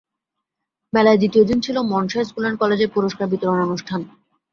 মেলার দ্বিতীয় দিন ছিল মনসা স্কুল অ্যান্ড কলেজের পুরস্কার বিতরণ অনুষ্ঠান।